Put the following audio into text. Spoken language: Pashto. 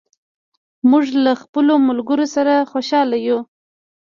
موږ له خپلو ملګرو سره خوشاله یو.